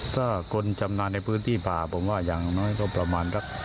ถ้าคนชำนาญในพื้นที่ผ่าผมว่าอย่างน้อยก็ประมาณสัก